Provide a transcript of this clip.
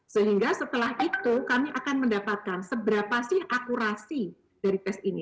sehingga setelah itu kami akan mendapatkan seberapa sih akurasi dari tes ini